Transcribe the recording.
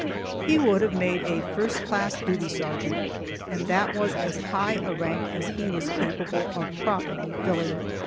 He would have made a first class duty sergeant, and that was as high a rank as he was capable of properly filling.